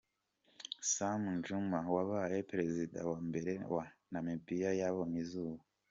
Sam Nujoma, wabaye perezida wa mbere wa Namibiya yabonyeizuba.